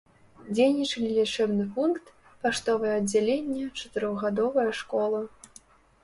Дзейнічалі лячэбны пункт, паштовае аддзяленне, чатырохгадовая школа.